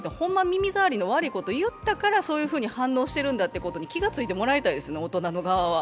耳障りの悪いことを言ったからそういうふうに反応してるんだということに気がついてもらいたいですね、大人の側は。